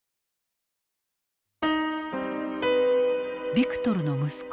ビクトルの息子